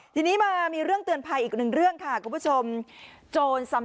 ทีนี้มามีเรื่องเตือนภัยอีกหนึ่งเรื่องค่ะคุณผู้ชม